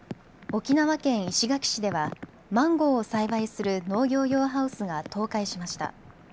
沖縄県石垣市ではマンゴーを栽培する農業用ハウスが倒壊しました。